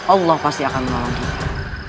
allah pasti akan mengawal kita